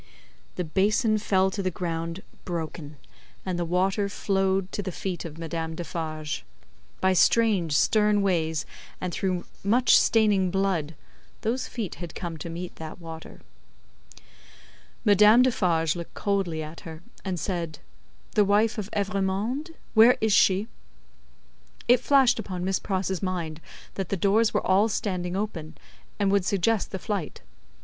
The basin fell to the ground broken, and the water flowed to the feet of Madame Defarge. By strange stern ways, and through much staining blood, those feet had come to meet that water. Madame Defarge looked coldly at her, and said, "The wife of Evrémonde; where is she?" It flashed upon Miss Pross's mind that the doors were all standing open, and would suggest the flight.